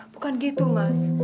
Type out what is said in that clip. bukan gitu mas